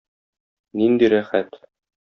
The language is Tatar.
Нинди рәхәт!